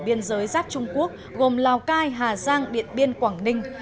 biên giới giáp trung quốc gồm lào cai hà giang điện biên quảng ninh